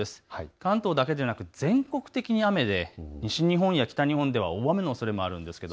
関東だけでなく全国的に雨で西日本や北日本では大雨のおそれもあるんです。